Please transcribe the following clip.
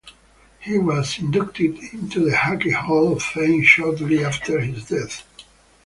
He was inducted into the Hockey Hall of Fame shortly after his death.